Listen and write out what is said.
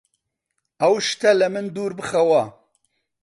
ئەو شتە لە من دوور بخەوە!